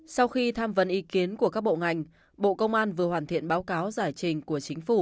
sau khi tham vấn ý kiến của các bộ ngành bộ công an vừa hoàn thiện báo cáo giải trình của chính phủ